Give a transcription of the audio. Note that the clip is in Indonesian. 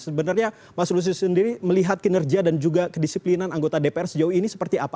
sebenarnya mas lusius sendiri melihat kinerja dan juga kedisiplinan anggota dpr sejauh ini seperti apa